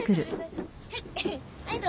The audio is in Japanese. はい。